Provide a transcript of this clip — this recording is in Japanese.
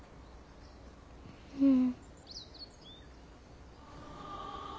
うん。